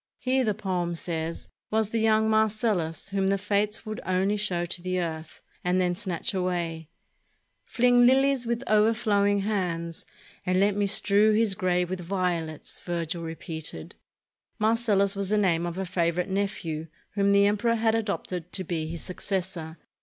Here, the poem says, was the young Marcellus, whom the fates would ''only show to the earth" and then snatch away. 398 AUGUSTUS, THE SHREWD YOUNG EMPEROR "Fling lilies with o'erflowing hands, and let Me strew his grave with violets," — Virgil repeated. Marcellus was the name of a favorite nephew whom the emperor had adopted to be his suc cessor.